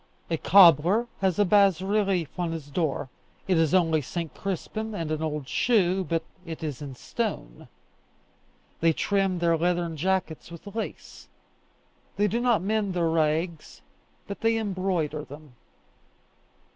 A cobbler has a bas relief on his door: it is only St. Crispin and an old shoe, but it is in stone. They trim their leathern jackets with lace. They do not mend their rags, but they embroider them.